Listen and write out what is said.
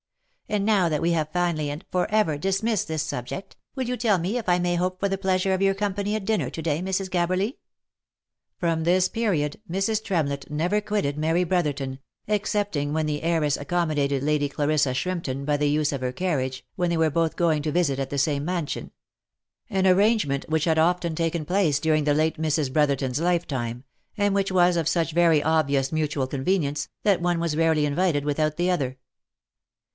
And now that we have finally and for ever dismissed this subject, will you tell me if I may hope for the pleasure of your company at dinner to day, Mrs. Gabberly?" From this period, Mrs. Tremlett never quitted Mary Brotherton, excepting when the heiress accommodated Lady Clarissa Shrimpton by the use of her carriage, when they were both going to visit at the same mansion ; an arrangement which had often taken place during the late Mrs. Brotherton's lifetime, and which was of such very obvious mutual convenience, that one was rarely invited with out the other.